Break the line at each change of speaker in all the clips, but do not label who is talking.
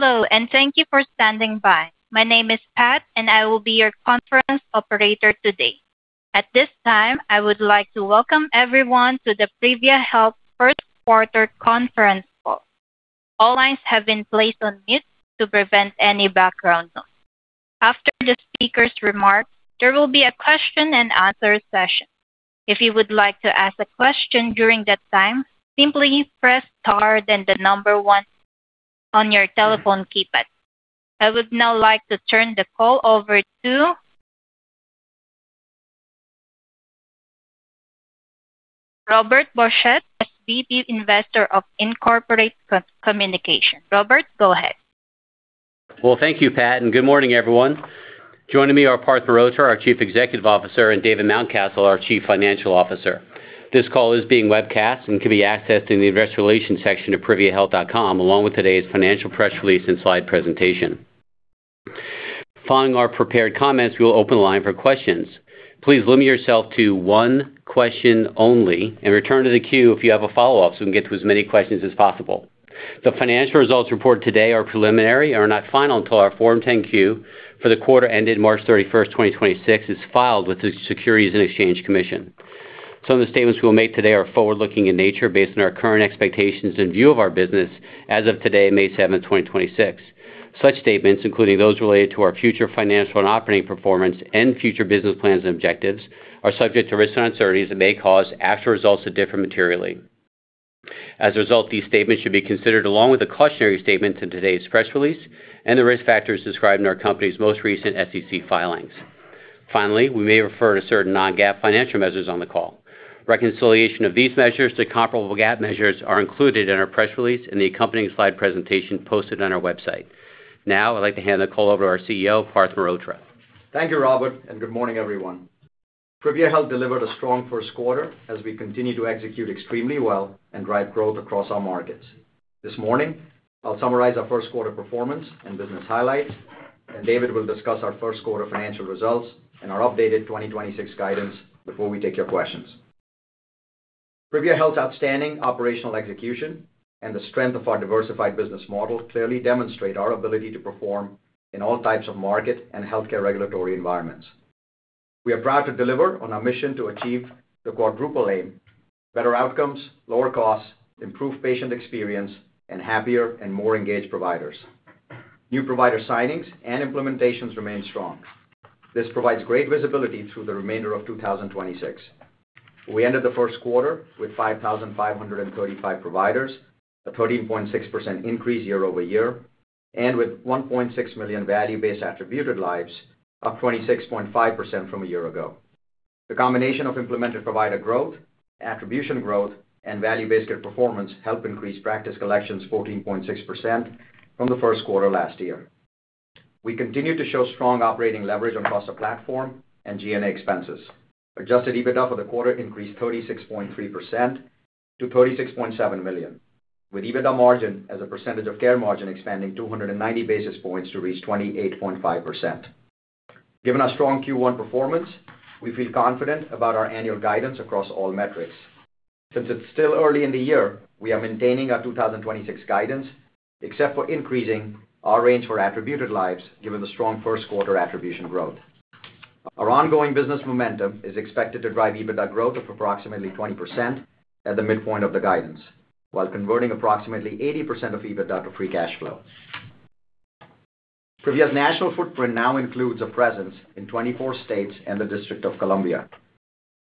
Hello, thank you for standing by. My name is Pat, and I will be your conference operator today. At this time, I would like to welcome everyone to the Privia Health first quarter conference call. All lines have been placed on mute to prevent any background noise. After the speaker's remarks, there will be a question and answer session. If you would like to ask a question during that time, simply press star then the number one on your telephone keypad. I would now like to turn the call over to Robert Borchert, the Senior Vice President, Investor & Corporate Communications. Robert, go ahead.
Well, thank you, Pat, good morning, everyone. Joining me are Parth Mehrotra, our Chief Executive Officer, and David Mountcastle, our Chief Financial Officer. This call is being webcast and can be accessed in the investor relation section of priviahealth.com, along with today's financial press release and slide presentation. Following our prepared comments, we will open the line for questions. Please limit yourself to one question only and return to the queue if you have a follow-up so we can get to as many questions as possible. The financial results reported today are preliminary and are not final until our Form 10-Q for the quarter ended March 31st, 2026 is filed with the Securities and Exchange Commission. Some of the statements we'll make today are forward-looking in nature based on our current expectations in view of our business as of today, May 7th, 2026. Such statements, including those related to our future financial and operating performance and future business plans and objectives, are subject to risks and uncertainties that may cause actual results to differ materially. As a result, these statements should be considered along with the cautionary statements in today's press release and the risk factors described in our company's most recent SEC filings. Finally, we may refer to certain non-GAAP financial measures on the call. Reconciliation of these measures to comparable GAAP measures are included in our press release and the accompanying slide presentation posted on our website. Now I'd like to hand the call over to our CEO, Parth Mehrotra.
Thank you, Robert. Good morning, everyone. Privia Health delivered a strong first quarter as we continue to execute extremely well and drive growth across our markets. This morning, I'll summarize our first quarter performance and business highlights, David will discuss our first quarter financial results and our updated 2026 guidance before we take your questions. Privia Health's outstanding operational execution and the strength of our diversified business model clearly demonstrate our ability to perform in all types of market and healthcare regulatory environments. We are proud to deliver on our mission to achieve the Quadruple Aim, better outcomes, lower costs, improved patient experience, and happier and more engaged providers. New provider signings and implementations remain strong. This provides great visibility through the remainder of 2026. We ended the first quarter with 5,535 providers, a 13.6% increase year-over-year, and with 1.6 million value-based attributed lives, up 26.5% from a year ago. The combination of implemented provider growth, attribution growth, and value-based care performance help increase practice collections 14.6% from the first quarter last year. We continue to show strong operating leverage across the platform and G&A expenses. Adjusted EBITDA for the quarter increased 36.3% to $36.7 million, with EBITDA margin as a percentage of care margin expanding 290 basis points to reach 28.5%. Given our strong Q1 performance, we feel confident about our annual guidance across all metrics. Since it's still early in the year, we are maintaining our 2026 guidance, except for increasing our range for attributed lives given the strong first-quarter attribution growth. Our ongoing business momentum is expected to drive EBITDA growth of approximately 20% at the midpoint of the guidance while converting approximately 80% of EBITDA to free cash flow. Privia's national footprint now includes a presence in 24 states and the District of Columbia.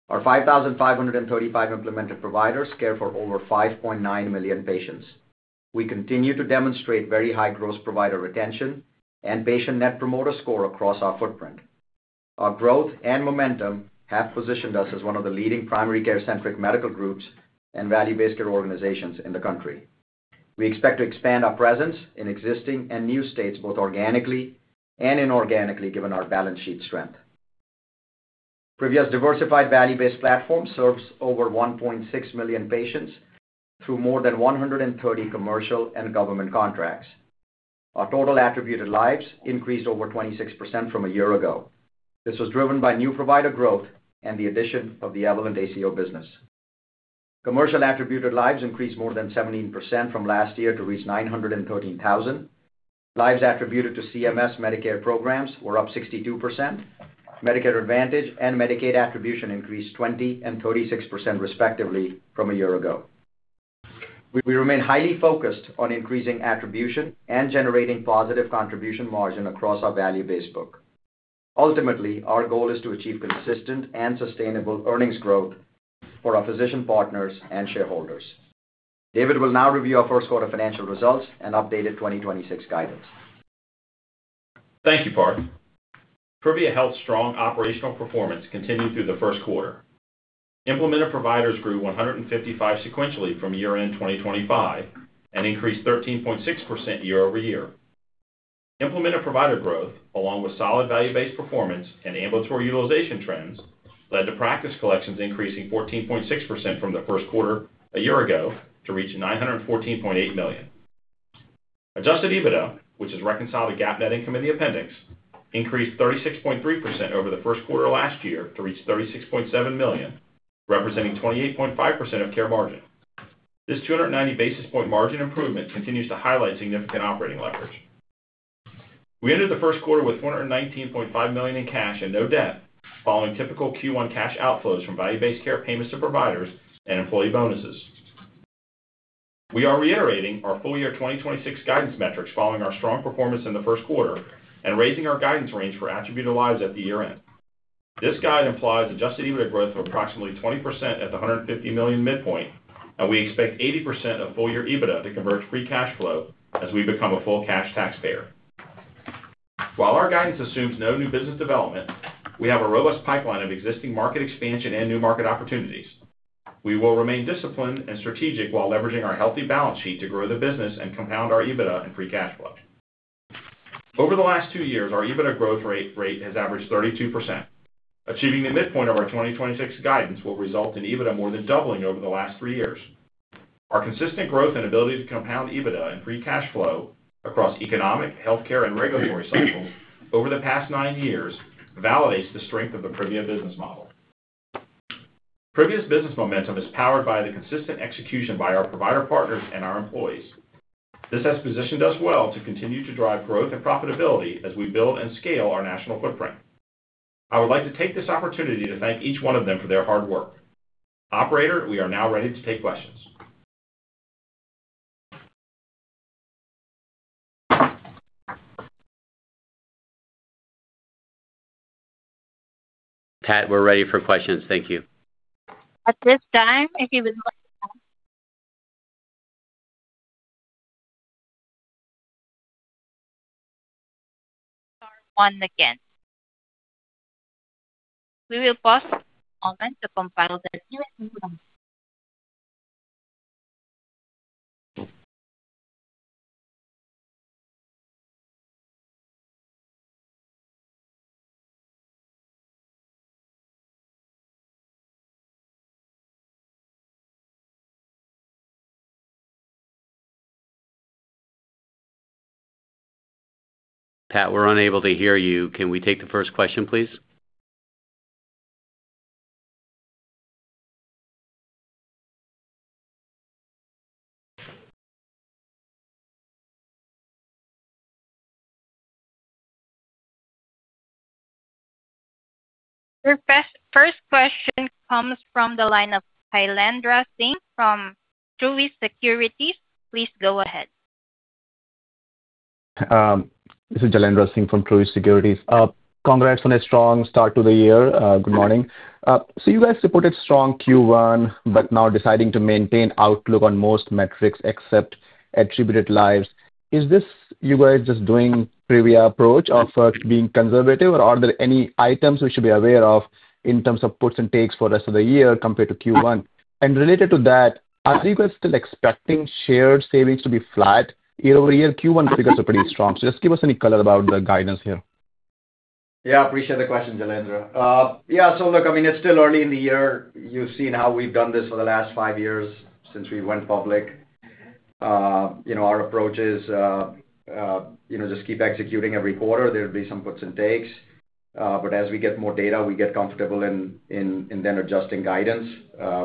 Our 5,535 implemented providers care for over 5.9 million patients. We continue to demonstrate very high gross provider retention and patient net promoter score across our footprint. Our growth and momentum have positioned us as one of the leading primary care-centric medical groups and value-based care organizations in the country. We expect to expand our presence in existing and new states, both organically and inorganically, given our balance sheet strength. Privia's diversified value-based platform serves over 1.6 million patients through more than 130 commercial and government contracts. Our total attributed lives increased over 26% from a year ago. This was driven by new provider growth and the addition of the Evolent ACO business. Commercial attributed lives increased more than 17% from last year to reach 913,000. Lives attributed to CMS Medicare programs were up 62%. Medicare Advantage and Medicaid attribution increased 20% and 36% respectively from a year ago. We remain highly focused on increasing attribution and generating positive contribution margin across our value-based book. Ultimately, our goal is to achieve consistent and sustainable earnings growth for our physician partners and shareholders. David will now review our first quarter financial results and updated 2026 guidance.
Thank you, Parth. Privia Health's strong operational performance continued through the first quarter. Implemented providers grew 155 sequentially from year-end 2025 and increased 13.6% year-over-year. Implemented provider growth, along with solid value-based performance and ambulatory utilization trends, led to practice collections increasing 14.6% from the first quarter a year ago to reach $914.8 million. Adjusted EBITDA, which is reconciled to GAAP net income in the appendix, increased 36.3% over the first quarter last year to reach $36.7 million. Representing 28.5% of care margin. This 290 basis point margin improvement continues to highlight significant operating leverage. We ended the first quarter with $419.5 million in cash and no debt, following typical Q1 cash outflows from value-based care payments to providers and employee bonuses. We are reiterating our full year 2026 guidance metrics following our strong performance in the first quarter and raising our guidance range for attributed lives at the year-end. This guide implies adjusted EBITDA growth of approximately 20% at the $150 million midpoint, and we expect 80% of full year EBITDA to convert free cash flow as we become a full cash taxpayer. While our guidance assumes no new business development, we have a robust pipeline of existing market expansion and new market opportunities. We will remain disciplined and strategic while leveraging our healthy balance sheet to grow the business and compound our EBITDA and free cash flow. Over the last two years, our EBITDA growth rate has averaged 32%. Achieving the midpoint of our 2026 guidance will result in EBITDA more than doubling over the last three years. Our consistent growth and ability to compound EBITDA and free cash flow across economic, healthcare, and regulatory cycles over the past nine years validates the strength of the Privia business model. Privia's business momentum is powered by the consistent execution by our provider partners and our employees. This has positioned us well to continue to drive growth and profitability as we build and scale our national footprint. I would like to take this opportunity to thank each one of them for their hard work. Operator, we are now ready to take questions.
Pat, we're ready for questions. Thank you.
At this time. We will pause a moment to compile the
Pat, we're unable to hear you. Can we take the first question, please?
Your first question comes from the line of Jailendra Singh from Truist Securities. Please go ahead.
This is Jailendra Singh from Truist Securities. Congrats on a strong start to the year. Good morning. You guys reported strong Q1, but now deciding to maintain outlook on most metrics except attributed lives. Is this you guys just doing Privia approach of being conservative, or are there any items we should be aware of in terms of puts and takes for the rest of the year compared to Q1? Related to that, are you guys still expecting shared savings to be flat year-over-year? Q1 figures are pretty strong. Just give us any color about the guidance here.
Yeah, appreciate the question, Jailendra. Look, I mean, it's still early in the year. You've seen how we've done this for the last five years since we went public. You know, our approach is, you know, just keep executing every quarter. There'll be some puts and takes, but as we get more data, we get comfortable in then adjusting guidance.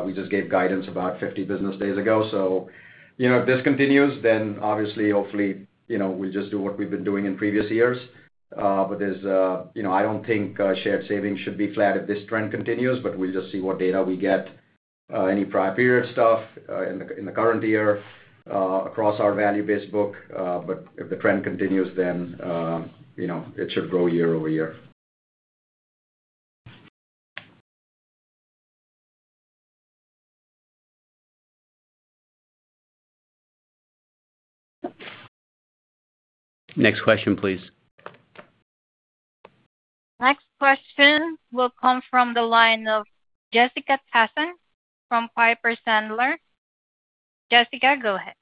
We just gave guidance about 50 business days ago. You know, if this continues, then obviously, hopefully, you know, we just do what we've been doing in previous years. There's, you know, I don't think shared savings should be flat if this trend continues, but we'll just see what data we get, any prior period stuff, in the current year, across our value-based book. If the trend continues, you know, it should grow year-over-year.
Next question, please.
Next question will come from the line of Jessica Tassan from Piper Sandler. Jessica, go ahead.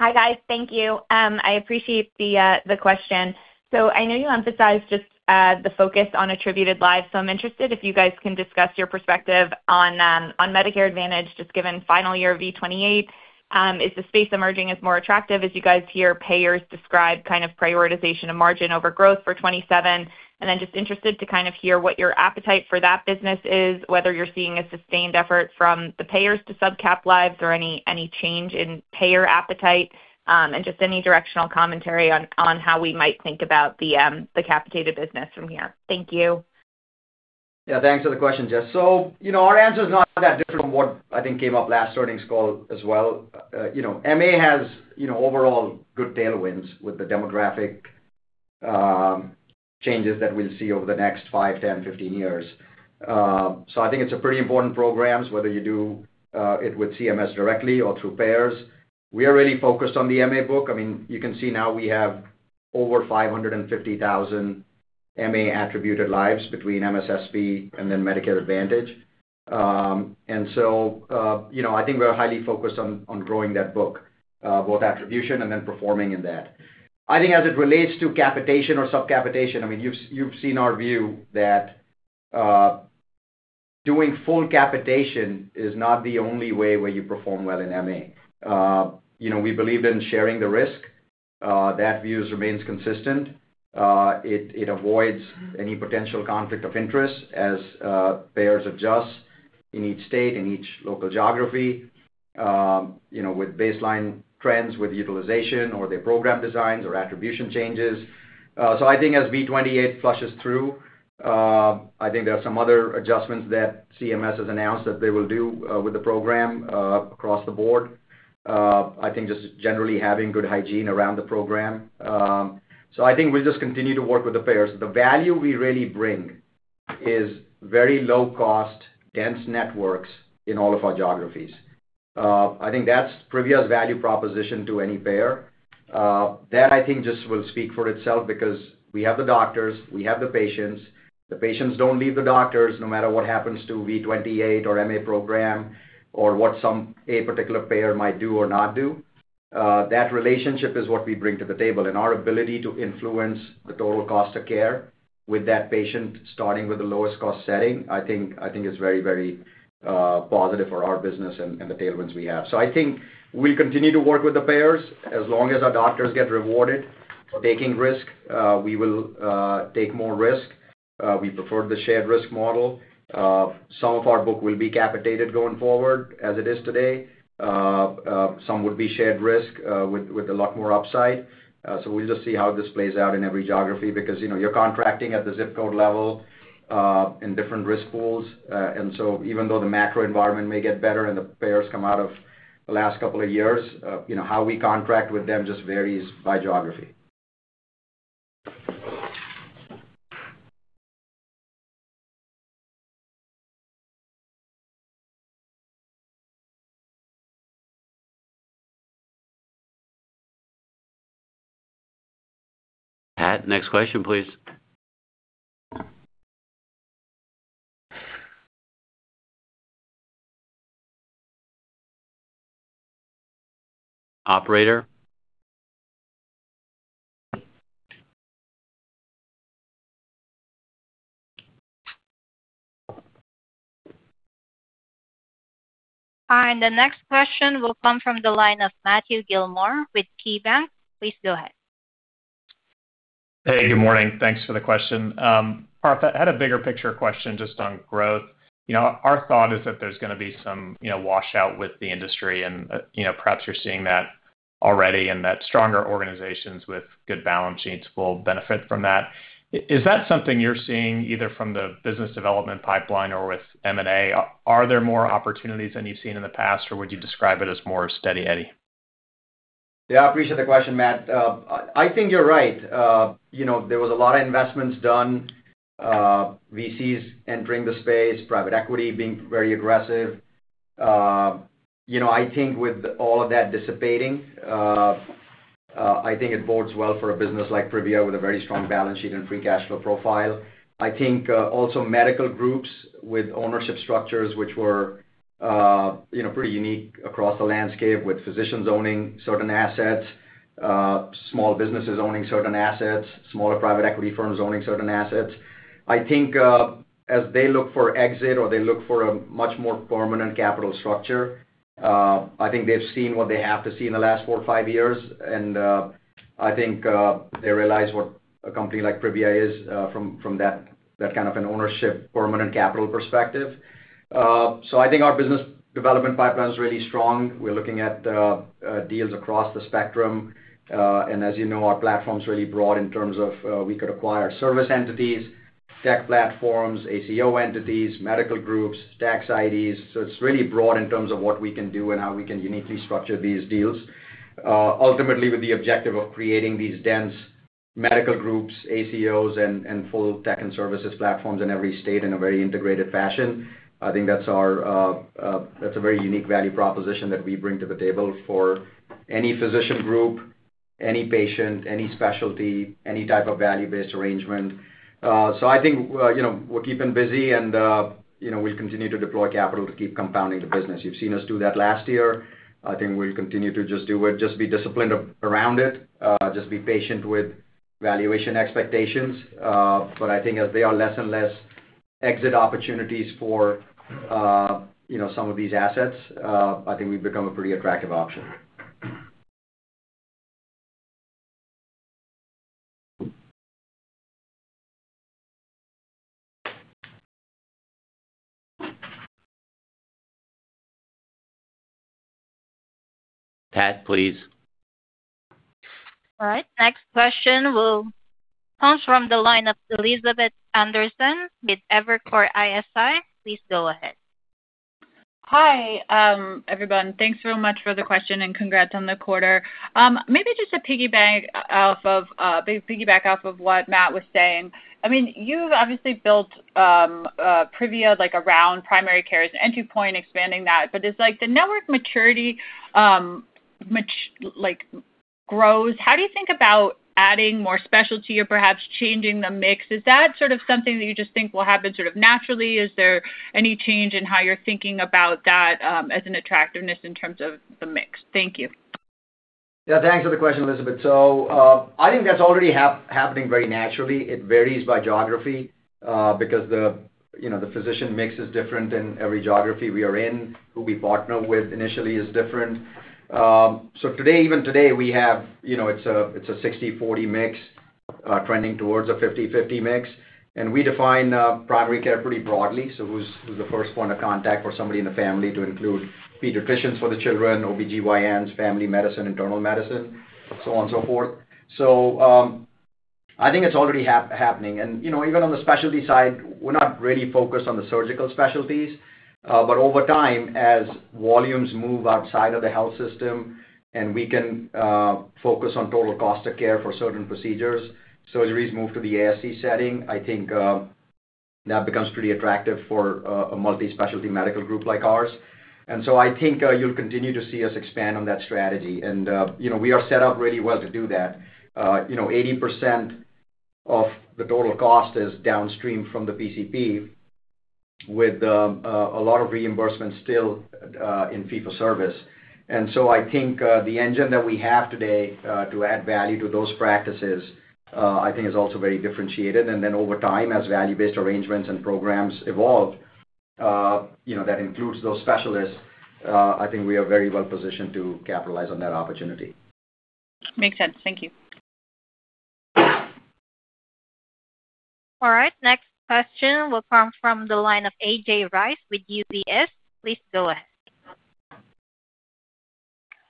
Hi, guys. Thank you. I appreciate the question. I know you emphasized just the focus on attributed lives, so I'm interested if you guys can discuss your perspective on Medicare Advantage, just given final year of V28. Is the space emerging as more attractive as you guys hear payers describe kind of prioritization of margin over growth for 2027? Just interested to kind of hear what your appetite for that business is, whether you're seeing a sustained effort from the payers to sub-cap lives or any change in payer appetite, and just any directional commentary on how we might think about the capitated business from here. Thank you.
Yeah, thanks for the question, Jess. You know, our answer is not that different from what I think came up last earnings call as well. You know, MA has, you know, overall good tailwinds with the demographic changes that we'll see over the next five, 10, 15 years. I think it's a pretty important programs, whether you do it with CMS directly or through payers. We are really focused on the MA book. I mean, you can see now we have over 550,000 MA attributed lives between MSSP and then Medicare Advantage. You know, I think we're highly focused on growing that book, both attribution and then performing in that. I think as it relates to capitation or sub-capitation, I mean, you've seen our view that doing full capitation is not the only way where you perform well in MA. You know, we believe in sharing the risk. That view remains consistent. It avoids any potential conflict of interest as payers adjust in each state, in each local geography, you know, with baseline trends, with utilization or their program designs or attribution changes. I think as V28 flushes through, I think there are some other adjustments that CMS has announced that they will do with the program across the board. I think just generally having good hygiene around the program. I think we'll just continue to work with the payers. The value we really bring is very low cost, dense networks in all of our geographies. I think that's Privia's value proposition to any payer. That I think just will speak for itself because we have the doctors, we have the patients. The patients don't leave the doctors no matter what happens to V28 or MA program or what a particular payer might do or not do. That relationship is what we bring to the table. Our ability to influence the total cost of care with that patient, starting with the lowest cost setting, I think is very, very positive for our business and the tailwinds we have. I think we continue to work with the payers. As long as our doctors get rewarded for taking risk, we will take more risk. We prefer the shared risk model. Some of our book will be capitated going forward, as it is today. Some would be shared risk with a lot more upside. We'll just see how this plays out in every geography because, you know, you're contracting at the zip code level in different risk pools. Even though the macro environment may get better and the payers come out of the last couple of years, you know, how we contract with them just varies by geography.
Pat, next question, please. Operator?
The next question will come from the line of Matthew Gillmor with KeyBanc. Please go ahead.
Hey, good morning. Thanks for the question. Parth, I had a bigger picture question just on growth. You know, our thought is that there's gonna be some, you know, washout with the industry and, you know, perhaps you're seeing that already and that stronger organizations with good balance sheets will benefit from that. Is that something you're seeing either from the business development pipeline or with M&A? Are there more opportunities than you've seen in the past, or would you describe it as more steady eddy?
Yeah, I appreciate the question, Matt. I think you're right. you know, there was a lot of investments done, VCs entering the space, private equity being very aggressive. you know, I think with all of that dissipating, I think it bodes well for a business like Privia with a very strong balance sheet and free cash flow profile. I think, also medical groups with ownership structures, which were, you know, pretty unique across the landscape with physicians owning certain assets, small businesses owning certain assets, smaller private equity firms owning certain assets. I think, as they look for exit or they look for a much more permanent capital structure, I think they've seen what they have to see in the last four or five years, and, I think, they realize what a company like Privia is, from that kind of an ownership permanent capital perspective. I think our business development pipeline is really strong. We're looking at, deals across the spectrum. As you know, our platform's really broad in terms of, we could acquire service entities, tech platforms, ACO entities, medical groups, tax IDs. It's really broad in terms of what we can do and how we can uniquely structure these deals. Ultimately, with the objective of creating these dense medical groups, ACOs and full tech and services platforms in every state in a very integrated fashion. I think that's our, that's a very unique value proposition that we bring to the table for any physician group, any patient, any specialty, any type of value-based arrangement. So I think, you know, we're keeping busy and, you know, we'll continue to deploy capital to keep compounding the business. You've seen us do that last year. I think we'll continue to just do it. Just be disciplined around it. Just be patient with valuation expectations. But I think as there are less and less exit opportunities for, you know, some of these assets, I think we've become a pretty attractive option.
Pat, please.
All right, next question will comes from the line of Elizabeth Anderson with Evercore ISI. Please go ahead.
Hi, everyone. Thanks very much for the question, and congrats on the quarter. Maybe just to piggyback off of what Matt was saying. I mean, you've obviously built Privia, like, around primary care as an entry point, expanding that. As, like, the network maturity, like, grows, how do you think about adding more specialty or perhaps changing the mix? Is that sort of something that you just think will happen sort of naturally? Is there any change in how you're thinking about that, as an attractiveness in terms of the mix? Thank you.
Yeah, thanks for the question, Elizabeth. I think that's already happening very naturally. It varies by geography, because the, you know, the physician mix is different in every geography we are in, who we partner with initially is different. Today, even today, we have, you know, it's a 60-40 mix. Trending towards a 50-50 mix. We define primary care pretty broadly. Who's the first point of contact for somebody in the family to include pediatricians for the children, OBGYN, family medicine, internal medicine, so on and so forth. I think it's already happening. You know, even on the specialty side, we're not really focused on the surgical specialties. Over time, as volumes move outside of the health system, and we can focus on total cost of care for certain procedures, surgeries move to the ASC setting, I think that becomes pretty attractive for a multi-specialty medical group like ours. I think you'll continue to see us expand on that strategy. You know, we are set up really well to do that. You know, 80% of the total cost is downstream from the PCP with a lot of reimbursement still in fee-for-service. I think the engine that we have today to add value to those practices, I think is also very differentiated. Over time, as value-based arrangements and programs evolve, you know, that includes those specialists, I think we are very well positioned to capitalize on that opportunity.
Makes sense. Thank you.
All right, next question will come from the line of A.J. Rice with UBS. Please go ahead.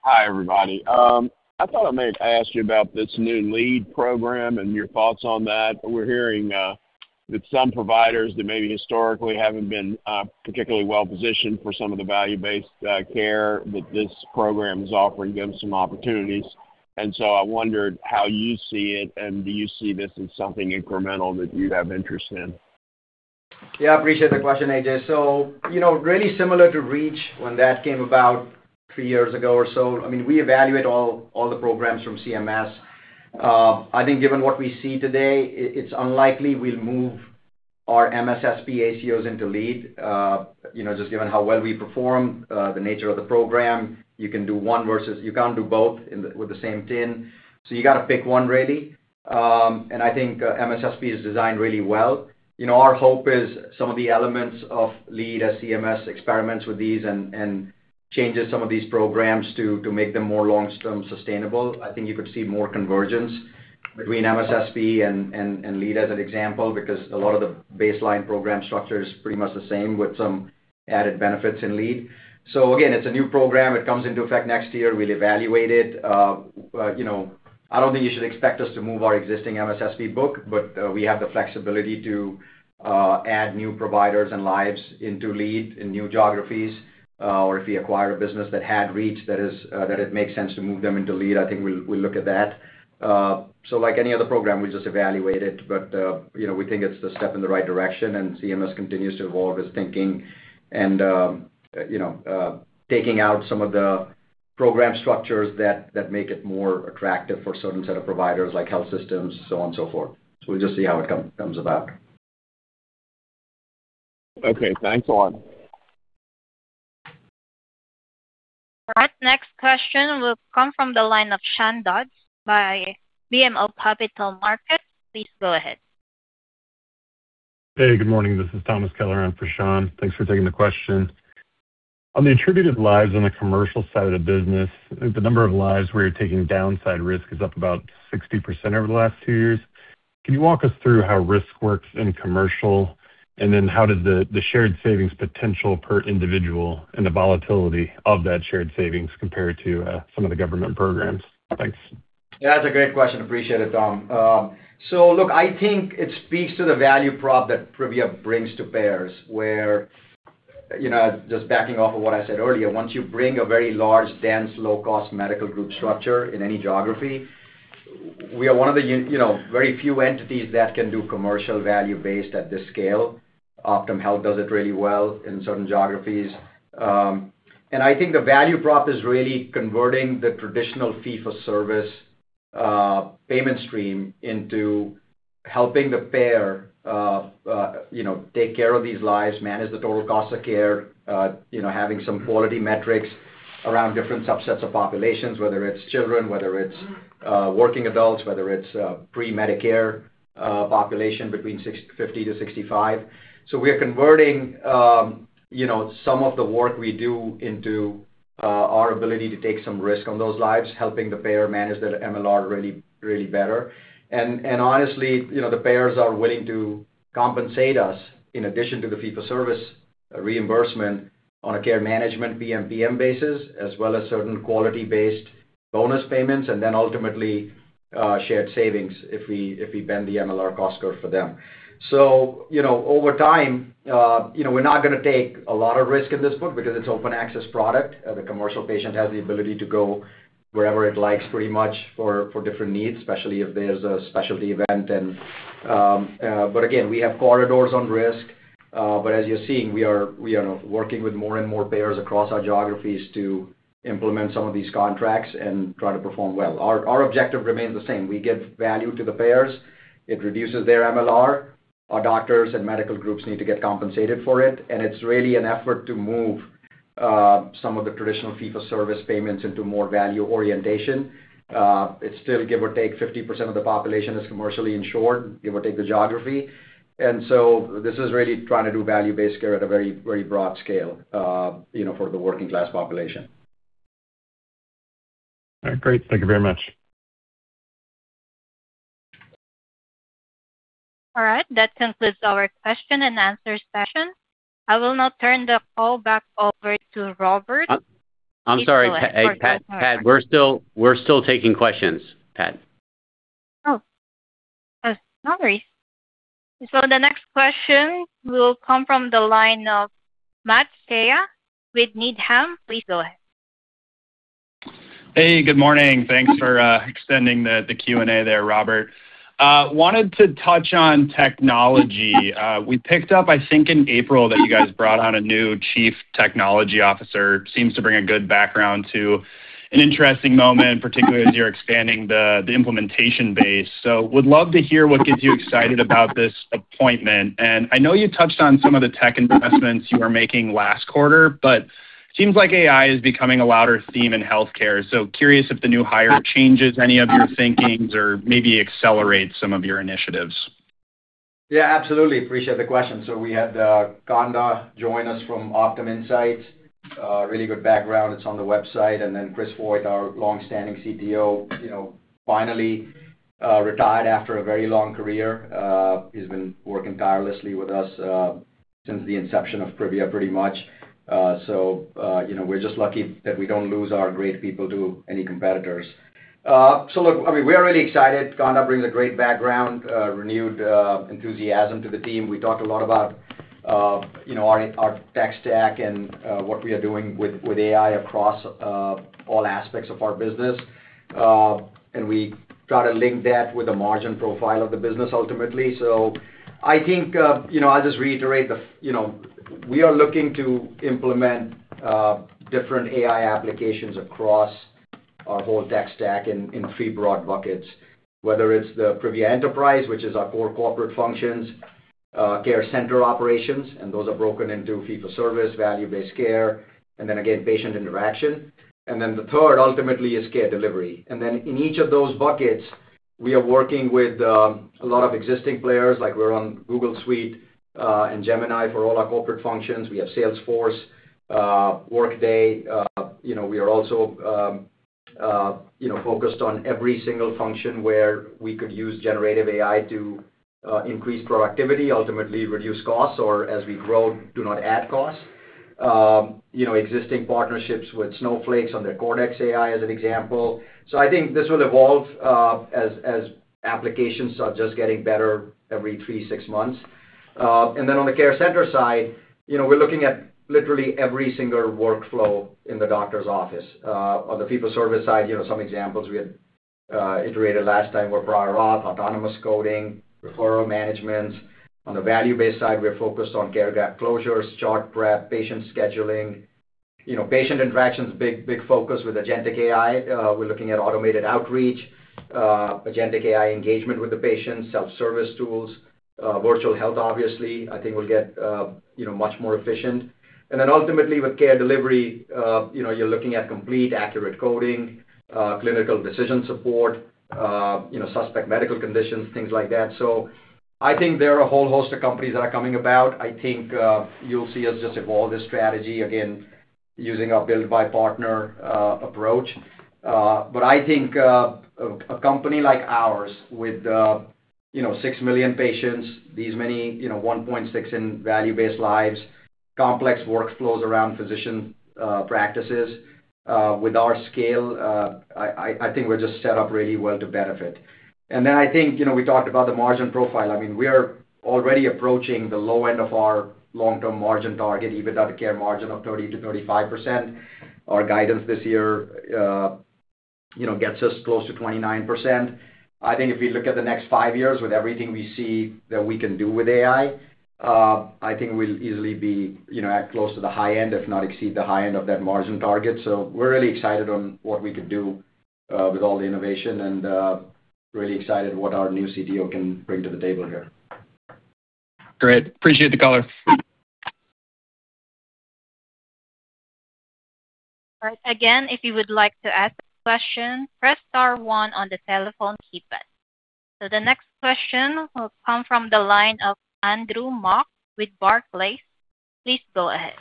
Hi, everybody. I thought I might ask you about this new LEAD program and your thoughts on that. We're hearing that some providers that maybe historically haven't been particularly well-positioned for some of the value-based care that this program is offering them some opportunities. So I wondered how you see it, and do you see this as something incremental that you'd have interest in?
Yeah, appreciate the question, AJ. You know, really similar to REACH when that came about three years ago or so, I mean, we evaluate all the programs from CMS. I think given what we see today, it's unlikely we'll move our MSSP ACOs into LEAD, you know, just given how well we perform, the nature of the program. You can do one versus you can't do both with the same TIN. You gotta pick one, really. And I think MSSP is designed really well. You know, our hope is some of the elements of LEAD as CMS experiments with these and changes some of these programs to make them more long-term sustainable. I think you could see more convergence between MSSP and LEAD as an example, because a lot of the baseline program structure is pretty much the same with some added benefits in LEAD. Again, it's a new program. It comes into effect next year. We'll evaluate it. you know, I don't think you should expect us to move our existing MSSP book, but we have the flexibility to add new providers and lives into LEAD in new geographies. Or if we acquire a business that had REACH that is, that it makes sense to move them into LEAD, I think we'll look at that. Like any other program, we just evaluate it. You know, we think it's the step in the right direction, and CMS continues to evolve its thinking and, you know, taking out some of the program structures that make it more attractive for certain set of providers like health systems, so on and so forth. We'll just see how it comes about.
Okay, thanks a lot.
All right, next question will come from the line of Sean Dodge by BMO Capital Markets. Please go ahead.
Hey, good morning. This is Thomas Kelliher on for Sean. Thanks for taking the question. On the attributed lives on the commercial side of the business, the number of lives where you're taking downside risk is up about 60% over the last two years. Can you walk us through how risk works in commercial, and then how does the shared savings potential per individual and the volatility of that shared savings compare to some of the government programs? Thanks.
Yeah, that's a great question. Appreciate it, Tom. Look, I think it speaks to the value prop that Privia brings to payers, where, you know, just backing off of what I said earlier, once you bring a very large, dense, low-cost medical group structure in any geography, we are one of the, you know, very few entities that can do commercial value-based at this scale. Optum Health does it really well in certain geographies. I think the value prop is really converting the traditional fee-for-service payment stream into helping the payer, you know, take care of these lives, manage the total cost of care, you know, having some quality metrics around different subsets of populations, whether it's children, whether it's working adults, whether it's pre-Medicare population between 50-65. We are converting, you know, some of the work we do into our ability to take some risk on those lives, helping the payer manage their MLR really better. Honestly, you know, the payers are willing to compensate us in addition to the fee-for-service reimbursement on a care management PMPM basis, as well as certain quality-based bonus payments, and then ultimately, shared savings if we bend the MLR cost curve for them. You know, over time, you know, we're not gonna take a lot of risk in this book because it's open access product. The commercial patient has the ability to go wherever it likes pretty much for different needs, especially if there's a specialty event. But again, we have corridors on risk. As you're seeing, we are working with more and more payers across our geographies to implement some of these contracts and try to perform well. Our objective remains the same. We give value to the payers. It reduces their MLR. Our doctors and medical groups need to get compensated for it, and it's really an effort to move some of the traditional fee-for-service payments into more value orientation. It's still give or take 50% of the population is commercially insured, give or take the geography. This is really trying to do value-based care at a very, very broad scale, you know, for the working class population.
All right, great. Thank you very much.
All right, that concludes our question and answer session. I will now turn the call back over to Robert.
I'm sorry, Pat. Pat, we're still taking questions, Pat.
Sorry. The next question will come from the line of Matt Shea with Needham. Please go ahead.
Hey, good morning. Thanks for extending the Q&A there, Robert. I wanted to touch on technology. We picked up, I think, in April that you guys brought on a new Chief Technology Officer. He seems to bring a good background to an interesting moment, particularly as you're expanding the implementation base. Would love to hear what gets you excited about this appointment. I know you touched on some of the tech investments you were making last quarter, but seems like AI is becoming a louder theme in healthcare. Curious if the new hire changes any of your thinkings or maybe accelerates some of your initiatives.
Yeah, absolutely. Appreciate the question. We had Konda join us from OptumInsights. Really good background. It's on the website. Chris Voigt, our long-standing CTO, you know, finally retired after a very long career. He's been working tirelessly with us since the inception of Privia, pretty much. You know, we're just lucky that we don't lose our great people to any competitors. Look, I mean, we are really excited. Konda brings a great background, renewed enthusiasm to the team. We talked a lot about, you know, our tech stack and what we are doing with AI across all aspects of our business. And we try to link that with the margin profile of the business ultimately. I think, you know, I'll just reiterate. You know, we are looking to implement different AI applications across our whole tech stack in three broad buckets, whether it's the Privia Enterprise, which is our core corporate functions, care center operations, and those are broken into fee-for-service, value-based care, and then again, patient interaction. The third ultimately is care delivery. In each of those buckets, we are working with a lot of existing players, like we're on Google Workspace and Gemini for all our corporate functions. We have Salesforce, Workday. You know, we are also, you know, focused on every single function where we could use generative AI to increase productivity, ultimately reduce costs, or as we grow, do not add costs. You know, existing partnerships with Snowflake's on their Cortex AI, as an example. I think this will evolve, as applications are just getting better every three, six months. On the care center side, you know, we're looking at literally every single workflow in the doctor's office. On the fee-for-service side, you know, some examples we had iterated last time were prior auth, autonomous coding, referral management. On the value-based side, we're focused on care gap closures, chart prep, patient scheduling. You know, patient interaction's a big focus with agentic AI. We're looking at automated outreach, agentic AI engagement with the patient, self-service tools. Virtual health obviously, I think will get, you know, much more efficient. Ultimately with care delivery, you know, you're looking at complete accurate coding, clinical decision support, you know, suspect medical conditions, things like that. I think there are a whole host of companies that are coming about. I think you'll see us just evolve the strategy, again, using our build by partner approach. But I think a company like ours with, you know, 6 million patients, these many, you know, 1.6 in value-based lives, complex workflows around physician practices, with our scale, I think we're just set up really well to benefit. I think, you know, we talked about the margin profile. I mean, we are already approaching the low end of our long-term margin target, EBITDA care margin of 30%-35%. Our guidance this year, you know, gets us close to 29%. I think if we look at the next five years with everything we see that we can do with AI, I think we'll easily be, you know, at close to the high end, if not exceed the high end of that margin target. We're really excited on what we could do with all the innovation and really excited what our new CTO can bring to the table here.
Great. Appreciate the color.
All right. Again, if you would like to ask a question, press star one on the telephone keypad. The next question will come from the line of Andrew Mok with Barclays. Please go ahead.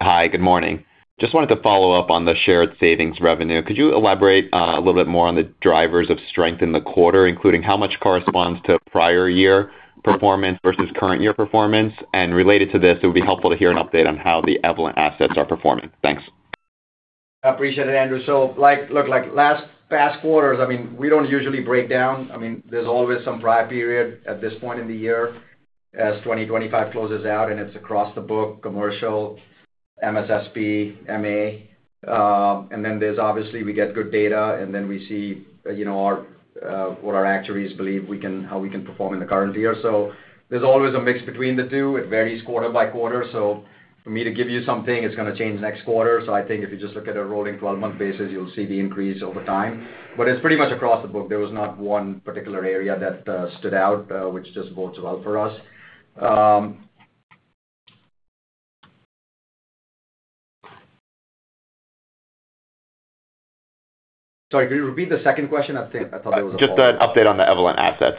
Hi. Good morning. Just wanted to follow up on the shared savings revenue. Could you elaborate a little bit more on the drivers of strength in the quarter, including how much corresponds to prior year performance versus current year performance? Related to this, it would be helpful to hear an update on how the Evolent assets are performing. Thanks.
I appreciate it, Andrew. Like look, like past quarters, I mean, we don't usually break down. I mean, there's always some prior period at this point in the year as 2025 closes out, it's across the book, commercial, MSSP, MA. There's obviously we get good data, we see, you know, our what our actuaries believe how we can perform in the current year. There's always a mix between the two. It varies quarter by quarter. For me to give you something, it's gonna change next quarter. I think if you just look at a rolling 12-month basis, you'll see the increase over time. It's pretty much across the book. There was not one particular area that stood out, which just bodes well for us. Sorry, could you repeat the second question? I thought that was a whole.
Just the update on the Evolent assets.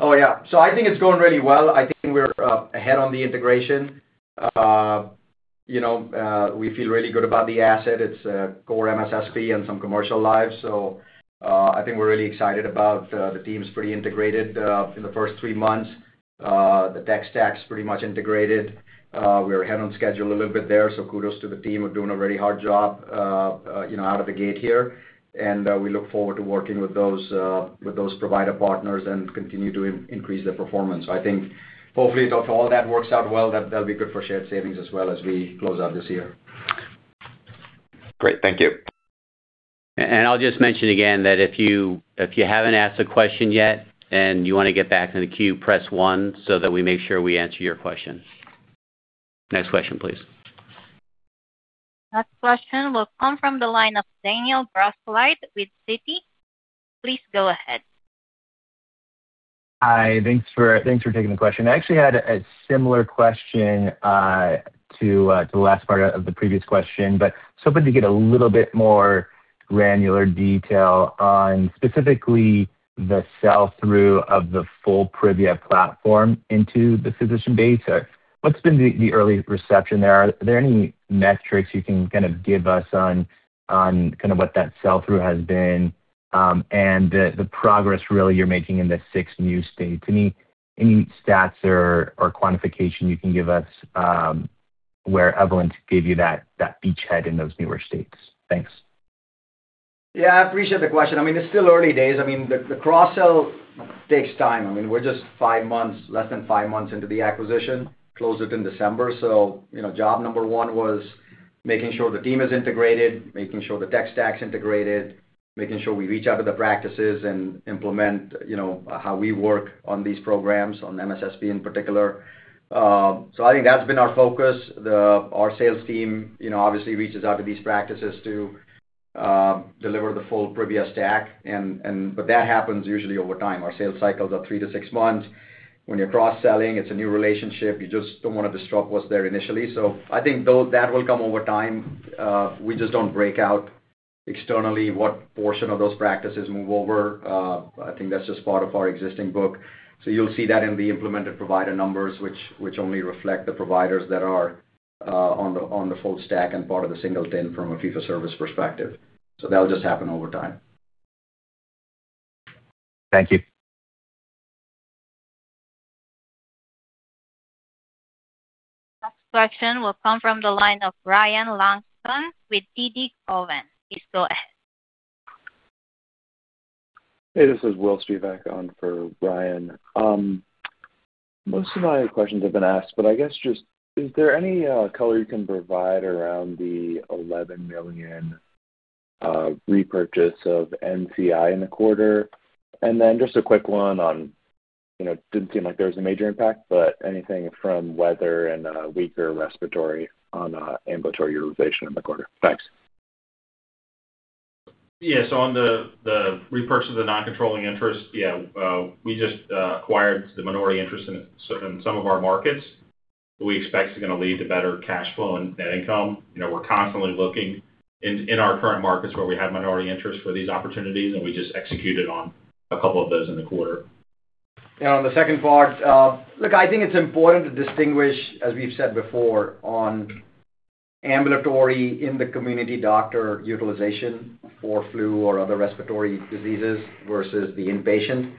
Oh, yeah. I think it's going really well. I think we're ahead on the integration. You know, we feel really good about the asset. It's a core MSSP and some commercial lives. I think we're really excited about the team's pretty integrated in the first three months. The tech stack's pretty much integrated. We're ahead on schedule a little bit there, so kudos to the team of doing a very hard job, you know, out of the gate here. We look forward to working with those, with those provider partners and continue to increase their performance. I think hopefully, if all that works out well, that'll be good for shared savings as well as we close out this year.
Great. Thank you.
I'll just mention again that if you haven't asked a question yet and you wanna get back in the queue, press one so that we make sure we answer your question. Next question, please.
Next question will come from the line of Daniel Grosslight with Citi. Please go ahead.
Hi. Thanks for taking the question. I actually had a similar question to the last part of the previous question, but was hoping to get a little bit more granular detail on specifically the sell-through of the full Privia Platform into the physician base. What's been the early reception there? Are there any metrics you can kind of give us on kind of what that sell-through has been and the progress really you're making in the six new states? Any stats or quantification you can give us where Evolent gave you that beachhead in those newer states? Thanks.
Yeah, I appreciate the question. I mean, it's still early days. I mean, the cross-sell takes time. I mean, we're just five months, less than five months into the acquisition, closed up in December. Job number one was making sure the team is integrated, making sure the tech stack's integrated, making sure we reach out to the practices and implement, you know, how we work on these programs, on MSSP in particular. I think that's been our focus. Our sales team, you know, obviously reaches out to these practices to deliver the full Privia stack, but that happens usually over time. Our sales cycles are three to six months. When you're cross-selling, it's a new relationship. You just don't wanna disrupt what's there initially. I think though that will come over time. We just don't break out externally what portion of those practices move over. I think that's just part of our existing book. You'll see that in the implemented provider numbers, which only reflect the providers that are on the full stack and part of the single team from a fee-for-service perspective. That'll just happen over time.
Thank you.
Next question will come from the line of Ryan Langston with TD Cowen. Please go ahead.
Hey, this is Will Spivack on for Ryan. Most of my questions have been asked, but I guess just is there any color you can provide around the $11 million repurchase of NCI in the quarter? Just a quick one on, you know, didn't seem like there was a major impact, but anything from weather and weaker respiratory on ambulatory utilization in the quarter? Thanks.
Yes, on the repurchase of the non-controlling interest, yeah, we just acquired the minority interest in some of our markets. We expect it's gonna lead to better cash flow and net income. You know, we're constantly looking in our current markets where we have minority interest for these opportunities, and we just executed on a couple of those in the quarter.
On the second part, look, I think it's important to distinguish, as we've said before, on ambulatory in the community doctor utilization for flu or other respiratory diseases versus the inpatient.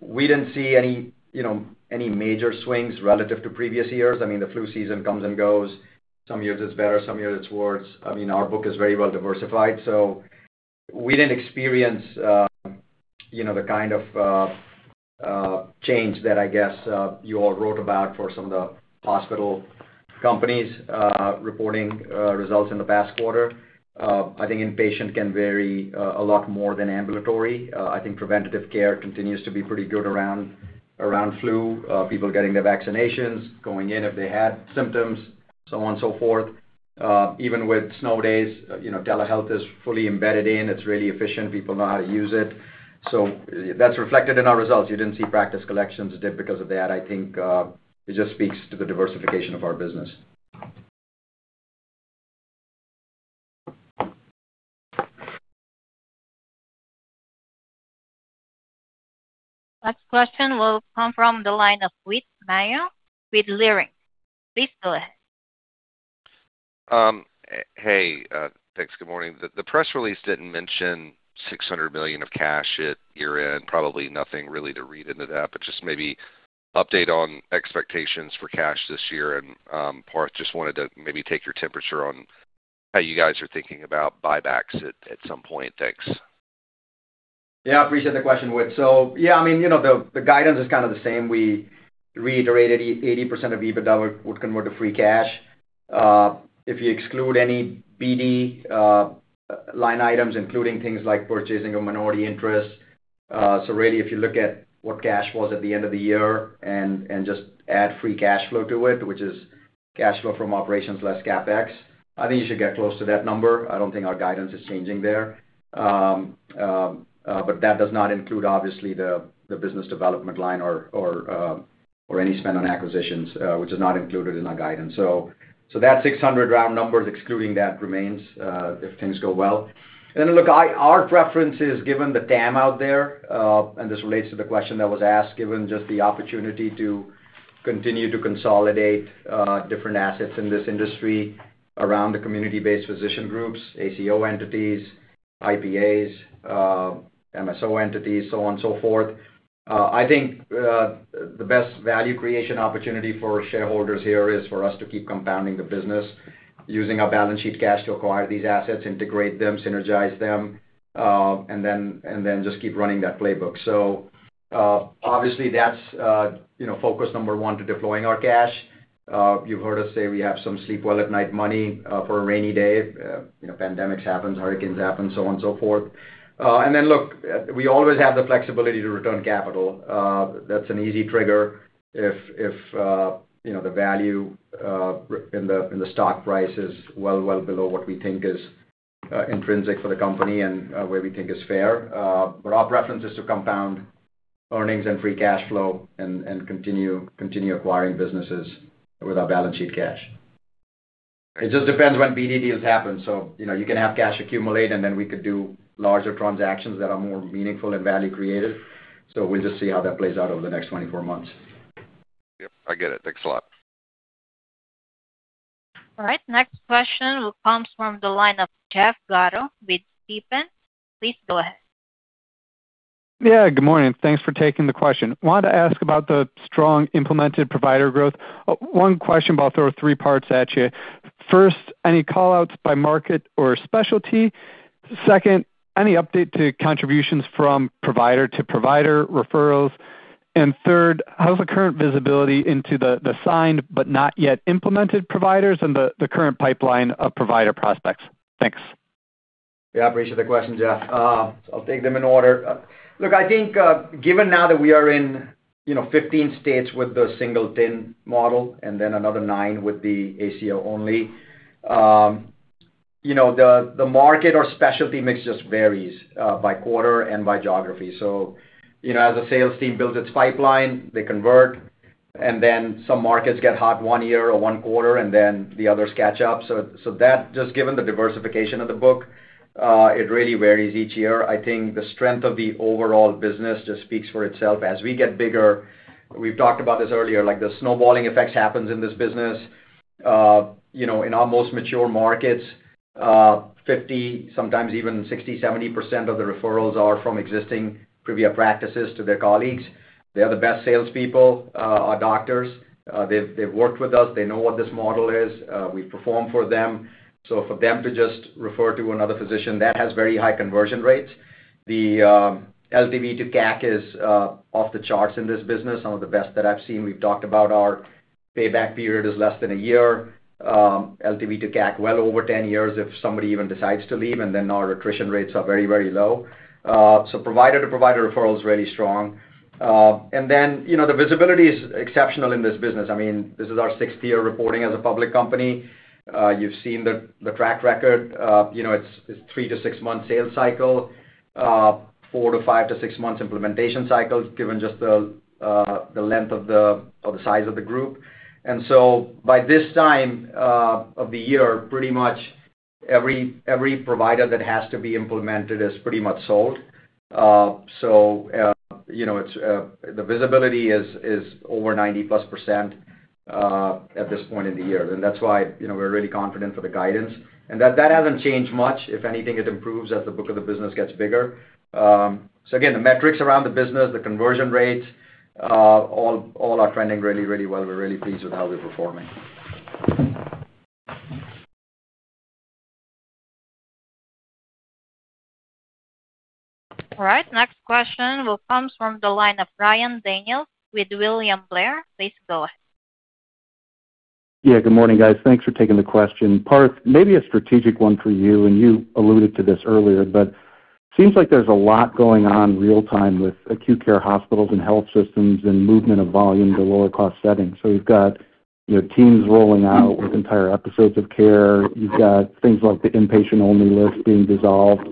We didn't see any, you know, any major swings relative to previous years. The flu season comes and goes. Some years it's better, some years it's worse. Our book is very well diversified, so we didn't experience, you know, the kind of change that I guess, you all wrote about for some of the hospital companies, reporting results in the past quarter. I think inpatient can vary a lot more than ambulatory. I think preventative care continues to be pretty good around flu, people getting their vaccinations, going in if they had symptoms, so on and so forth. Even with snow days, you know, telehealth is fully embedded in. It's really efficient. People know how to use it. That's reflected in our results. You didn't see practice collections dip because of that. I think it just speaks to the diversification of our business.
Next question will come from the line of Whit Mayo with Leerink. Please go ahead.
Hey, thanks. Good morning. The press release didn't mention $600 million of cash at year-end. Probably nothing really to read into that, but just maybe update on expectations for cash this year. Parth, just wanted to maybe take your temperature on how you guys are thinking about buybacks at some point. Thanks.
Appreciate the question, Whit. I mean, you know, the guidance is kind of the same. We reiterated 80% of EBITDA would convert to free cash. If you exclude any BD line items, including things like purchasing of minority interest. Really, if you look at what cash was at the end of the year and just add free cash flow to it, which is cash flow from operations less CapEx, I think you should get close to that number. I don't think our guidance is changing there. That does not include obviously the business development line or any spend on acquisitions, which is not included in our guidance. So that $600 round number is excluding that remains if things go well. Our preference is given the TAM out there, and this relates to the question that was asked, given just the opportunity to continue to consolidate different assets in this industry around the community-based physician groups, ACO entities, IPAs, MSO entities, so on and so forth. I think the best value creation opportunity for shareholders here is for us to keep compounding the business using our balance sheet cash to acquire these assets, integrate them, synergize them, and then just keep running that playbook. Obviously, that's, you know, focus number one to deploying our cash. You've heard us say we have some sleep well at night money for a rainy day. You know, pandemics happen, hurricanes happen, so on and so forth. Then look, we always have the flexibility to return capital. That's an easy trigger if, you know, the value in the stock price is well, well below what we think is intrinsic for the company and where we think is fair. But our preference is to compound earnings and free cash flow and continue acquiring businesses with our balance sheet cash. It just depends when BD deals happen. You know, you can have cash accumulate, and then we could do larger transactions that are more meaningful and value creative. We'll just see how that plays out over the next 24 months.
Yep, I get it. Thanks a lot.
Next question comes from the line of Jeff Garro with Stephens. Please go ahead.
Yeah, good morning. Thanks for taking the question. Wanted to ask about the strong implemented provider growth. One question, but I'll throw three parts at you. First, any call-outs by market or specialty? Second, any update to contributions from provider to provider referrals? Third, how's the current visibility into the signed but not yet implemented providers and the current pipeline of provider prospects? Thanks.
Yeah, I appreciate the question, Jeff. I'll take them in order. Look, I think, given now that we are in, you know, 15 states with the single TIN model and then another nine with the ACO only, you know, the market or specialty mix just varies by quarter and by geography. You know, as a sales team builds its pipeline, they convert, and then some markets get hot one year or one quarter, and then the others catch up. That just given the diversification of the book, it really varies each year. I think the strength of the overall business just speaks for itself. As we get bigger, we've talked about this earlier, like the snowballing effects happens in this business. You know, in our most mature markets, 50%, sometimes even 60%, 70% of the referrals are from existing Privia practices to their colleagues. They are the best salespeople, our doctors. They've worked with us. They know what this model is. We perform for them. For them to just refer to another physician, that has very high conversion rates. The LTV to CAC is off the charts in this business, some of the best that I've seen. We've talked about our payback period is less than one year. LTV to CAC, well over 10 years if somebody even decides to leave, our attrition rates are very, very low. Provider-to-provider referral is really strong. You know, the visibility is exceptional in this business. I mean, this is our sixth year reporting as a public company. You've seen the track record. You know, it's a three to six month sales cycle, four to five to six months implementation cycles, given just the length of the, of the size of the group. By this time of the year, pretty much every provider that has to be implemented is pretty much sold. You know, it's the visibility is over 90%+ at this point in the year. That's why, you know, we're really confident for the guidance. That hasn't changed much. If anything, it improves as the book of the business gets bigger. Again, the metrics around the business, the conversion rates, all are trending really, really well. We're really pleased with how we're performing.
All right, next question will comes from the line of Ryan Daniels with William Blair. Please go ahead.
Yeah, good morning, guys. Thanks for taking the question. Parth, maybe a strategic one for you. You alluded to this earlier, seems like there's a lot going on real time with acute care hospitals and health systems and movement of volume to lower cost settings. You've got, you know, teams rolling out with entire episodes of care. You've got things like the inpatient-only list being dissolved.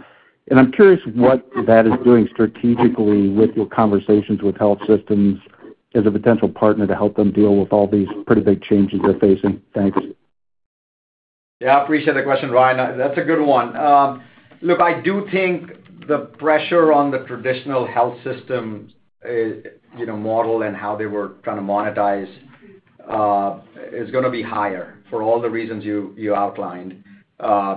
I'm curious what that is doing strategically with your conversations with health systems as a potential partner to help them deal with all these pretty big changes they're facing. Thanks.
Yeah, I appreciate the question, Ryan. That's a good one. Look, I do think the pressure on the traditional health system, you know, model and how they were kinda monetized, is gonna be higher for all the reasons you outlined.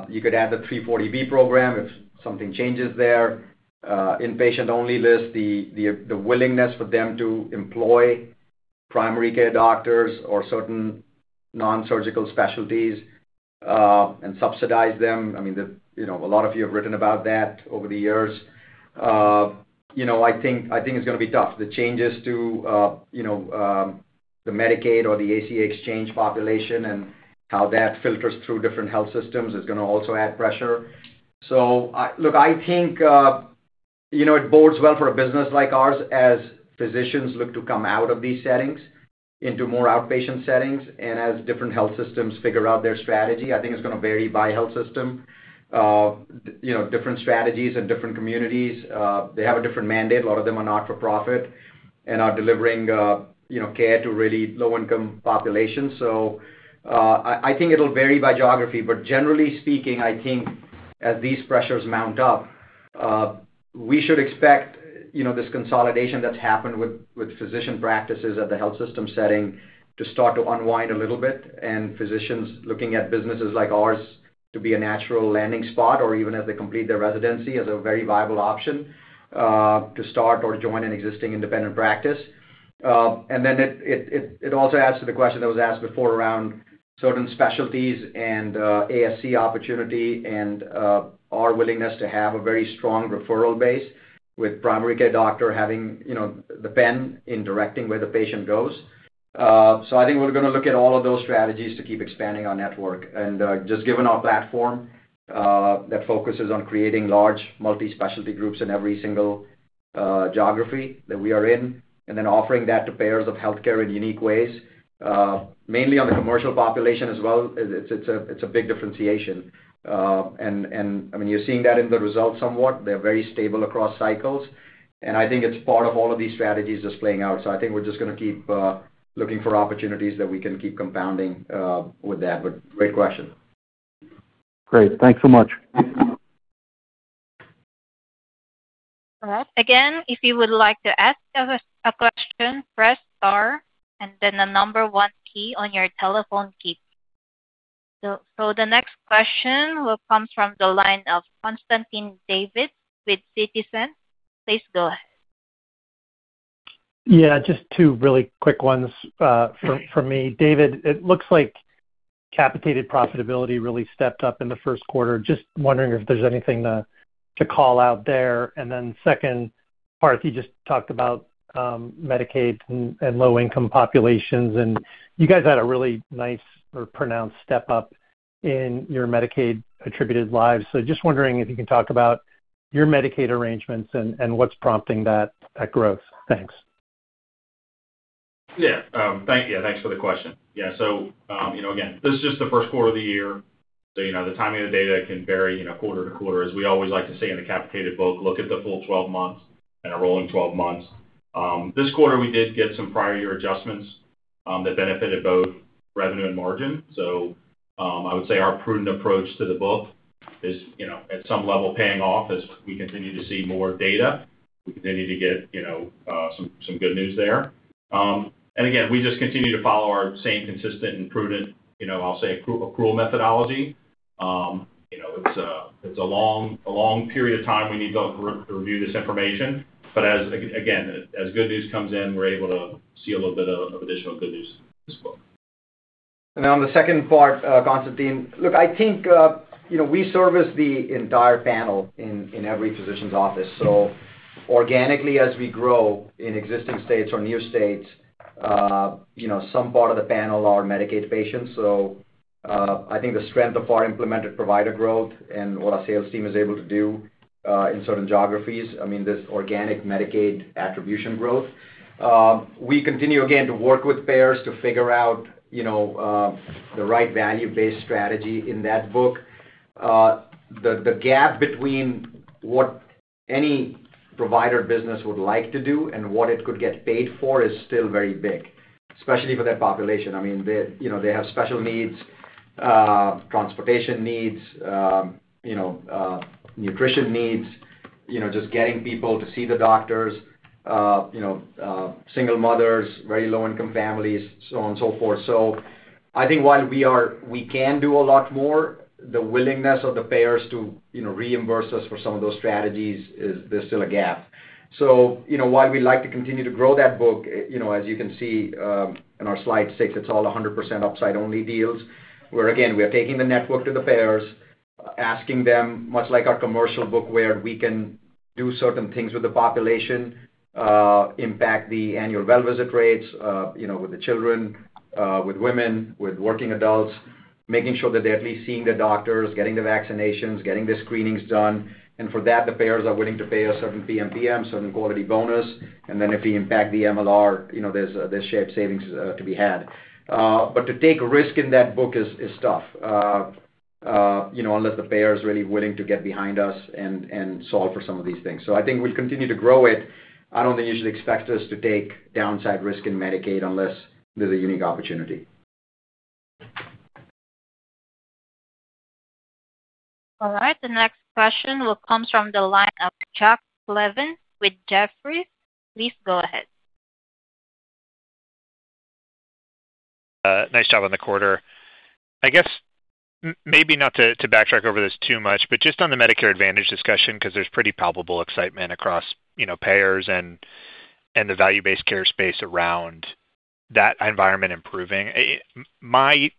You could add the 340B Program if something changes there. Inpatient-only list, the willingness for them to employ primary care doctors or certain non-surgical specialties, and subsidize them. I mean, You know, a lot of you have written about that over the years. You know, I think it's gonna be tough. The changes to, you know, the Medicaid or the ACA exchange population and how that filters through different health systems is gonna also add pressure. I think, you know, it bodes well for a business like ours as physicians look to come out of these settings into more outpatient settings and as different health systems figure out their strategy. I think it's going to vary by health system. You know, different strategies and different communities, they have a different mandate. A lot of them are not-for-profit and are delivering, you know, care to really low-income populations. I think it will vary by geography. Generally speaking, I think as these pressures mount up, we should expect, you know, this consolidation that's happened with physician practices at the health system setting to start to unwind a little bit, and physicians looking at businesses like ours to be a natural landing spot or even as they complete their residency, as a very viable option, to start or join an existing independent practice. It also adds to the question that was asked before around certain specialties and ASC opportunity and our willingness to have a very strong referral base with primary care doctor having, you know, the pen in directing where the patient goes. I think we're gonna look at all of those strategies to keep expanding our network. Just given our platform that focuses on creating large multi-specialty groups in every single geography that we are in, and then offering that to payers of healthcare in unique ways, mainly on the commercial population as well. It, it's a, it's a big differentiation. I mean, you're seeing that in the results somewhat. They're very stable across cycles, and I think it's part of all of these strategies just playing out. I think we're just gonna keep looking for opportunities that we can keep compounding with that. Great question.
Great. Thanks so much.
All right. Again, if you would like to ask us a question, press star and then the number one key on your telephone key. The next question will comes from the line of Constantine Davides with Citizens JMP Securities. Please go ahead.
Yeah, just two really quick ones from me. David, it looks like capitated profitability really stepped up in the first quarter. Just wondering if there's anything to call out there. Second part, you just talked about Medicaid and low-income populations, and you guys had a really nice or pronounced step up in your Medicaid-attributed lives. Just wondering if you can talk about your Medicaid arrangements and what's prompting that growth. Thanks.
Thank you. Thanks for the question. You know, again, this is just the first quarter of the year. You know, the timing of the data can vary, you know, quarter to quarter. As we always like to say in the capitated book, look at the full 12 months and a rolling 12 months. This quarter, we did get some prior year adjustments that benefited both revenue and margin. I would say our prudent approach to the book is, you know, at some level paying off as we continue to see more data. We continue to get, you know, some good news there. Again, we just continue to follow our same consistent and prudent, you know, I'll say accrual methodology. You know, it's a long period of time we need to re-review this information. As, again, as good news comes in, we're able to see a little bit of additional good news in this book.
On the second part, Constantine, look, I think, you know, we service the entire panel in every physician's office. Organically, as we grow in existing states or new states, you know, some part of the panel are Medicaid patients. I think the strength of our implemented provider growth and what our sales team is able to do, in certain geographies, I mean, this organic Medicaid attribution growth. We continue again to work with payers to figure out, you know, the right value-based strategy in that book. The gap between what any provider business would like to do and what it could get paid for is still very big, especially for that population. I mean, they, you know, they have special needs, transportation needs, nutrition needs, you know, just getting people to see the doctors, you know, single mothers, very low-income families, so on and so forth. I think while we can do a lot more, the willingness of the payers to, you know, reimburse us for some of those strategies is, there's still a gap. you know, while we like to continue to grow that book, you know, as you can see, in our slide six, it's all 100% upside-only deals, where again, we are taking the network to the payers, asking them, much like our commercial book, where we can do certain things with the population, impact the annual well visit rates, you know, with the children, with women, with working adults, making sure that they're at least seeing the doctors, getting the vaccinations, getting the screenings done. For that, the payers are willing to pay a certain PMPM, certain quality bonus. If we impact the MLR, you know, there's shared savings to be had. To take risk in that book is tough, you know, unless the payer is really willing to get behind us and solve for some of these things. I think we'll continue to grow it. I don't think you should expect us to take downside risk in Medicaid unless there's a unique opportunity.
All right. The next question will comes from the line of Jack Slevin with Jefferies. Please go ahead.
Nice job on the quarter. I guess maybe not to backtrack over this too much, but just on the Medicare Advantage discussion, 'cause there's pretty palpable excitement across, you know, payers and the value-based care space around that environment improving. My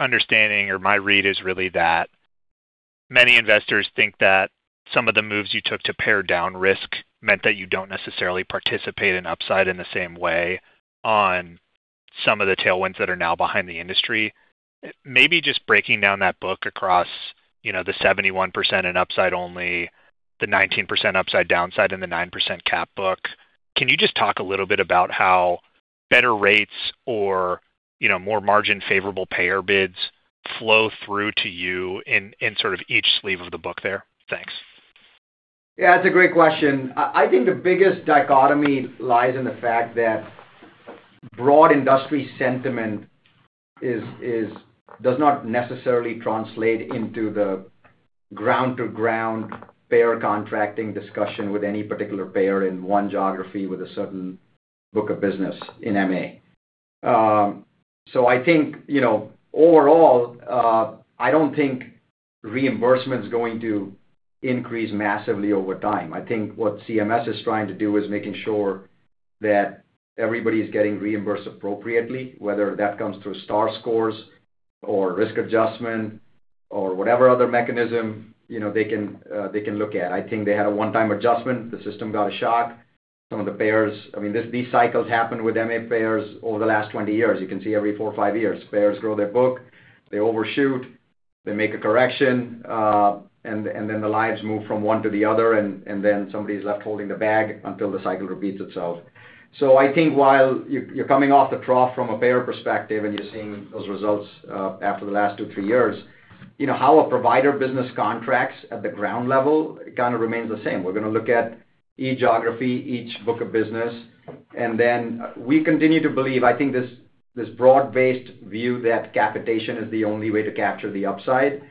understanding or my read is really that many investors think that some of the moves you took to pare down risk meant that you don't necessarily participate in upside in the same way on some of the tailwinds that are now behind the industry. Maybe just breaking down that book across, you know, the 71% in upside only, the 19% upside downside, and the 9% cap book. Can you just talk a little bit about how better rates or, you know, more margin favorable payer bids flow through to you in sort of each sleeve of the book there? Thanks.
Yeah, that's a great question. I think the biggest dichotomy lies in the fact that broad industry sentiment is does not necessarily translate into the ground to ground payer contracting discussion with any particular payer in one geography with a certain book of business in MA. I think, you know, overall, I don't think reimbursement's going to increase massively over time. I think what CMS is trying to do is making sure that everybody's getting reimbursed appropriately, whether that comes through Star scores or risk adjustment or whatever other mechanism, you know, they can, they can look at. I think they had a one-time adjustment. The system got a shock. Some of the payers I mean, these cycles happened with MA payers over the last 20 years. You can see every four or five years, payers grow their book, they overshoot, they make a correction, and then the lines move from one to the other, and then somebody's left holding the bag until the cycle repeats itself. I think while you're coming off the trough from a payer perspective and you're seeing those results after the last two, three years, you know, how a provider business contracts at the ground level, it kinda remains the same. We're gonna look at each geography, each book of business, and then we continue to believe I think this broad-based view that capitation is the only way to capture the upside,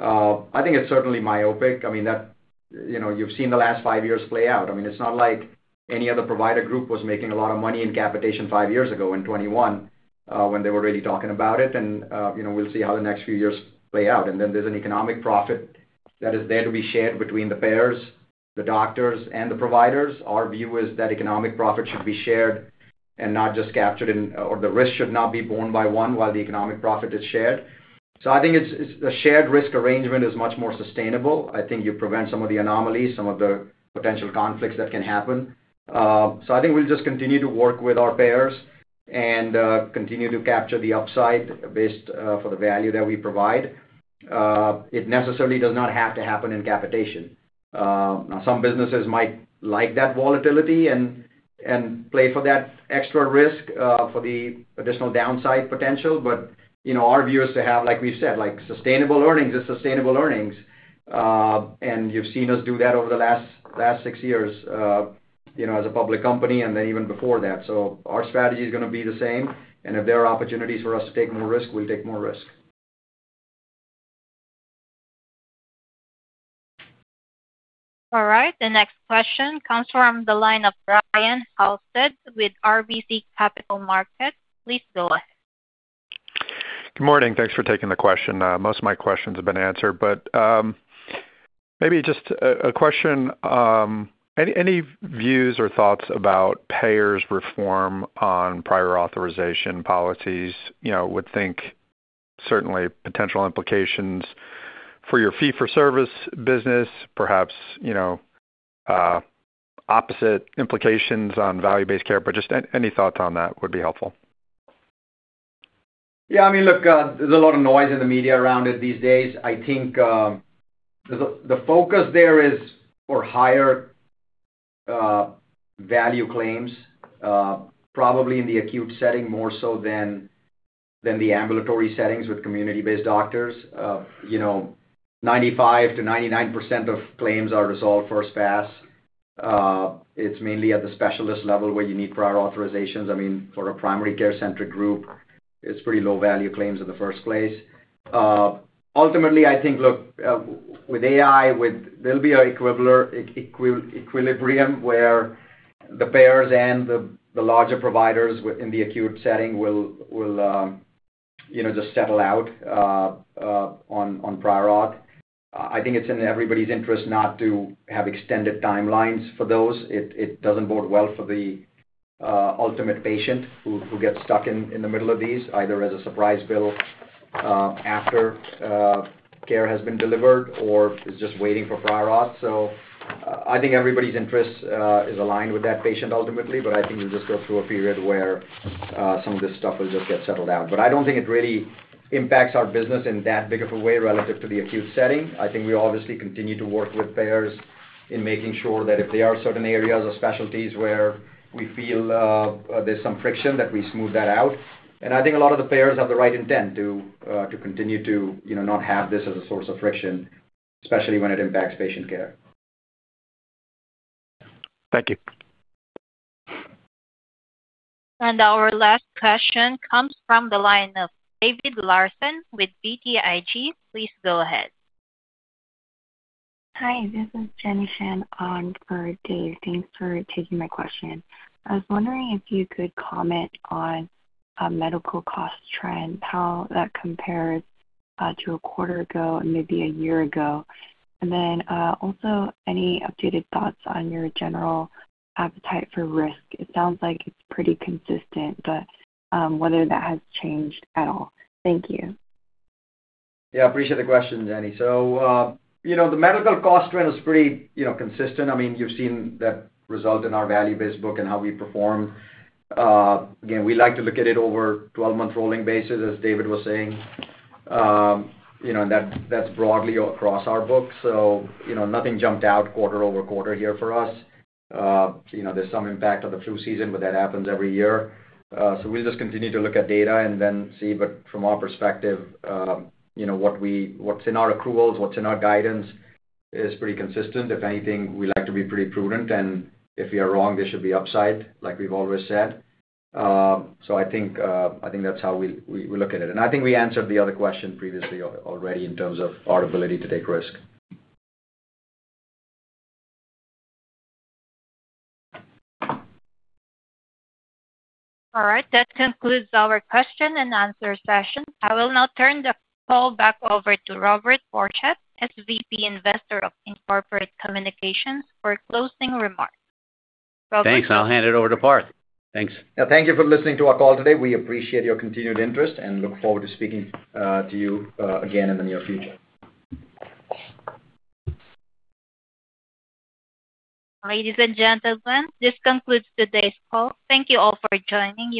I think it's certainly myopic. I mean, that, you know, you've seen the last five years play out. I mean, it's not like any other provider group was making a lot of money in capitation five years ago in 2021 when they were really talking about it. You know, we'll see how the next few years play out. There's an economic profit that is there to be shared between the payers, the doctors, and the providers. Our view is that economic profit should be shared and not just captured in, or the risk should not be borne by one while the economic profit is shared. I think it's a shared risk arrangement is much more sustainable. I think you prevent some of the anomalies, some of the potential conflicts that can happen. I think we'll just continue to work with our payers and continue to capture the upside based for the value that we provide. It necessarily does not have to happen in capitation. Now some businesses might like that volatility and play for that extra risk for the additional downside potential. You know, our view is to have, like we said, like sustainable earnings is sustainable earnings. You've seen us do that over the last six years, you know, as a public company and then even before that. Our strategy is gonna be the same, and if there are opportunities for us to take more risk, we'll take more risk.
All right. The next question comes from the line of Ben Hendrix with RBC Capital Markets. Please go ahead.
Good morning. Thanks for taking the question. Most of my questions have been answered. Maybe just a question. Any views or thoughts about payers' reform on prior authorization policies? You know, would think certainly potential implications for your fee-for-service business, perhaps, you know, opposite implications on value-based care, but just any thoughts on that would be helpful.
Yeah, I mean, look, there's a lot of noise in the media around it these days. I think, the focus there is for higher value claims, probably in the acute setting more so than the ambulatory settings with community-based doctors. You know, 95%-99% of claims are resolved first pass. It's mainly at the specialist level where you need prior authorizations. I mean, for a primary care-centric group, it's pretty low value claims in the first place. Ultimately, I think, look, with AI, there'll be an equilibrium where the payers and the larger providers in the acute setting will, you know, just settle out on prior auth. I think it's in everybody's interest not to have extended timelines for those. It doesn't bode well for the ultimate patient who gets stuck in the middle of these, either as a surprise bill, after care has been delivered or is just waiting for prior auth. I think everybody's interest is aligned with that patient ultimately, but I think you'll just go through a period where some of this stuff will just get settled out. I don't think it really impacts our business in that big of a way relative to the acute setting. I think we obviously continue to work with payers in making sure that if there are certain areas or specialties where we feel there's some friction, that we smooth that out. I think a lot of the payers have the right intent to continue to, you know, not have this as a source of friction, especially when it impacts patient care.
Thank you.
Our last question comes from the line of David Larsen with BTIG. Please go ahead.
Hi, this is Jenny Shen on for Dave. Thanks for taking my question. I was wondering if you could comment on medical cost trend, how that compares to a quarter ago and maybe a year ago. Also any updated thoughts on your general appetite for risk. It sounds like it's pretty consistent, but whether that has changed at all. Thank you.
Yeah, appreciate the question, Jenny. You know, the medical cost trend is pretty, you know, consistent. I mean, you've seen that result in our value-based book and how we perform. Again, we like to look at it over 12-month rolling basis, as David was saying. You know, that's broadly across our book. You know, nothing jumped out quarter-over-quarter here for us. You know, there's some impact of the flu season, but that happens every year. We just continue to look at data and then see. From our perspective, you know, what's in our accruals, what's in our guidance is pretty consistent. If anything, we like to be pretty prudent, and if we are wrong, there should be upside, like we've always said. I think that's how we look at it. I think we answered the other question previously already in terms of our ability to take risk.
All right. That concludes our question and answer session. I will now turn the call back over to Robert Borchert, SVP, Investor & Corporate Communications, for closing remarks. Robert.
Thanks. I'll hand it over to Parth. Thanks.
Thank you for listening to our call today. We appreciate your continued interest and look forward to speaking to you again in the near future.
Ladies and gentlemen, this concludes today's call. Thank you all for joining.